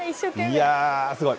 いやー、すごい。